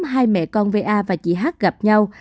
hai mẹ con va và chị h gặp nhau